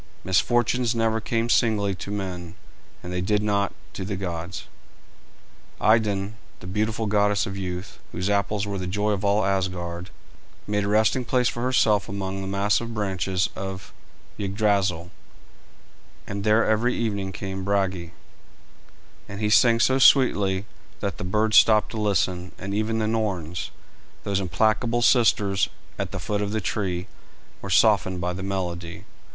Misfortunes never come singly to men, and they did not to the gods. Idun, the beautiful goddess of youth, whose apples were the joy of all Asgard, made a resting place for herself among the massive branches of Yggdrasil, and there every evening came Brage, and sang so sweetly that the birds stopped to listen, and even the Norns, those implacable sisters at the foot of the tree, were softened by the melody.